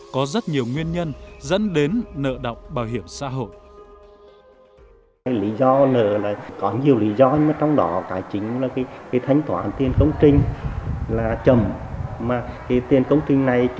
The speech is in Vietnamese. có rất nhiều nguyên nhân dẫn đến nợ đọng bảo hiểm xã hội